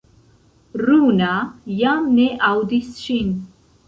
Runa jam ne aŭdis ŝin.